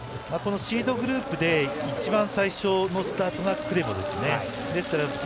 シードグループで一番最初のスタートがクレボです。